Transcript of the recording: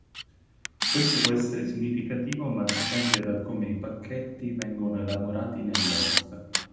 Questo può essere significativo ma dipende da come i pacchetti vengono elaborati nell'host.